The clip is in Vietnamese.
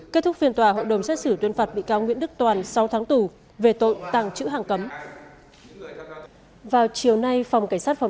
kết thúc phiên tòa hội đồng xét xử tuyên phạt bị cáo nguyễn đức toàn sáu tháng tù về tội tàng trữ hàng cấm